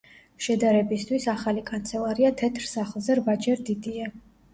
შედარებისთვის, ახალი კანცელარია თეთრ სახლზე რვაჯერ დიდია.